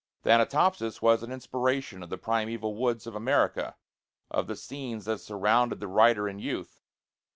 'Thanatopsis' was an inspiration of the primeval woods of America, of the scenes that surrounded the writer in youth.